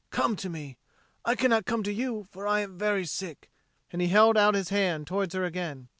Come to me. I cannot come to you, for I am very sick." And he held out his hand towards her again.